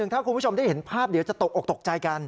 ถ้าคุณผู้ชมได้เห็นภาพเดี๋ยวจะตกออกตกใจกัน